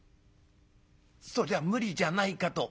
「そりゃ無理じゃないかと」。